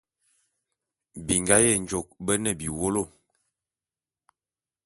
Bingá Yenjôk bé ne biwólo.